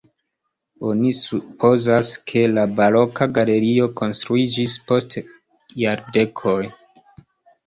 Oni supozas, ke la baroka galerio konstruiĝis post jardekoj.